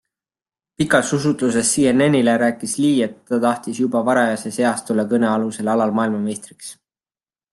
Pikas usutluses CNNile rääkis Lee, et ta tahtis juba varajases eas tulla kõnealusel alal maailmameistriks.